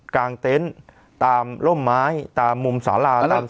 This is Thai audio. กลางเต็นต์ตามร่มไม้ตามมุมศาลา